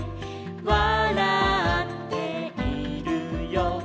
「わらっているよ」